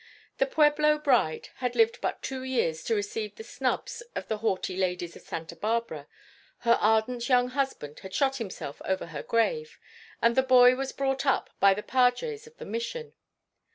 The Pueblo bride had lived but two years to receive the snubs of the haughty ladies of Santa Barbara, her ardent young husband had shot himself over her grave, and the boy was brought up by the padres of the mission.